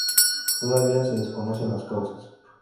Todavía se desconocen las causas.